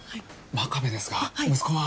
真壁ですが息子は？